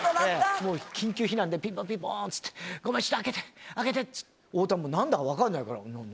もう緊急避難で、ピンポンピンポンっていって、ごめん、ちょっと開けて、開けてって、太田はもうなんだか分かんないから、何？